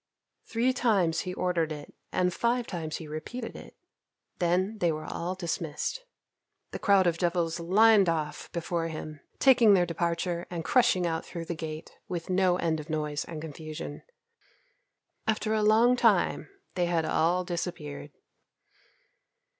Three times he ordered it and five times he repeated it. Then they were all dismissed. The crowd of devils lined off before him, taking their departure and crushing out through the gate with no end of noise and confusion. After a long time they had all disappeared.